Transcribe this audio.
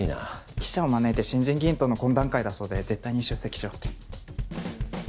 記者を招いて新人議員との懇談会だそうで絶対に出席しろって。